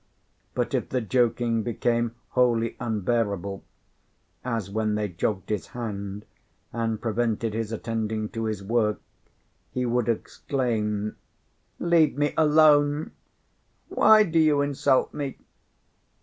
But if the joking became wholly unbearable, as when they jogged his hand and prevented his attending to his work, he would exclaim, "Leave me alone! Why do you insult me?"